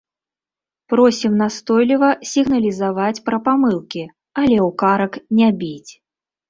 Просім настойліва сігналізаваць пра памылкі, але ў карак не біць.